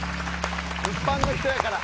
一般の人やから。